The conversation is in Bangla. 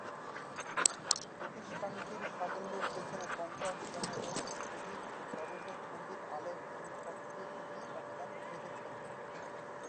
প্রতিষ্ঠানটির সাফল্যের পেছনে পঞ্চাশ জনেরও অধিক গবেষক পণ্ডিত, আলেম এবং সক্রিয় কর্মী অবদান রেখেছেন।